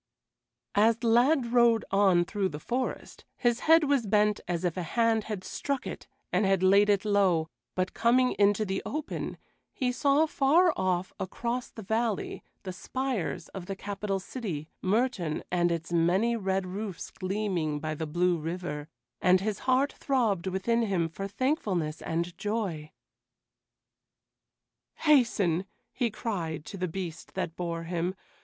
As the lad rode on through the forest, his head was bent as if a hand had struck it and had laid it low, but coming into the open, he saw far off, across the valley, the spires of the capital city, Mertoun, and its many red roofs gleaming by the blue river, and his heart throbbed within him for thankfulness and joy. "Hasten!" he cried to the beast that bore him.